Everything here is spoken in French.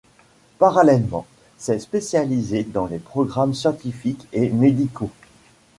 Parallèlement, s'est spécialisé dans les programmes scientifiques et médicaux.